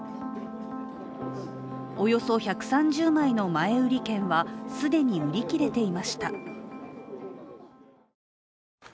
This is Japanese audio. およそ１３０枚の前売券は既に売り切れていました。